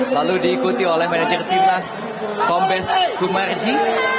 lalu diikuti oleh manajer timnas kombes sumarji